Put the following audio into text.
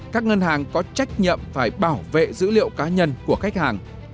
các ngân hàng có trách nhậm phải bảo vệ dữ liệu cá nhân của khách hàng